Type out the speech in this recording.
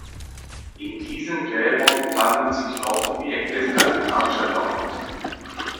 In diesen Gräbern fanden sich auch Objekte skandinavischer Herkunft.